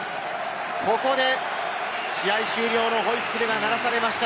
ここで試合終了のホイッスルが鳴らされました。